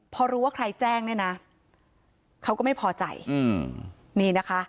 พอรู้ว่าใครแจ้งเนี่ยนะเขาก็ไม่พอใจอืมนี่นะคะ